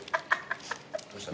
どうした？